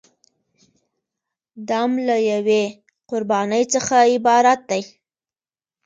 دم له یوې قربانۍ څخه عبارت دی.